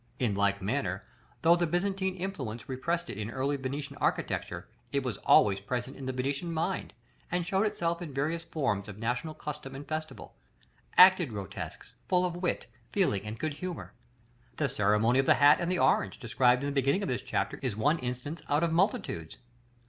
In like manner, though the Byzantine influence repressed it in the early Venetian architecture, it was always present in the Venetian mind, and showed itself in various forms of national custom and festival; acted grotesques, full of wit, feeling, and good humor. The ceremony of the hat and the orange, described in the beginning of this chapter, is one instance out of multitudes.